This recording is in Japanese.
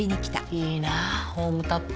いいなホームタップ。